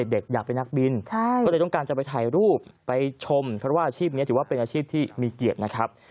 อยากเป็นนักบินก็เลยต้องการจะไปถ่ายรูปไปชมเพราะว่าอาชีพนี้ถือว่าเป็นอาชีพที่มีเกียรตินะครับ